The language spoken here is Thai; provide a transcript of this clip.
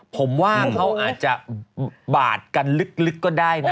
ผมว่าเขาอาจจะบาดกันลึกก็ได้นะ